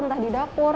entah di dapur